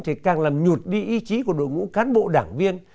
thì càng làm nhụt đi ý chí của đội ngũ cán bộ đảng viên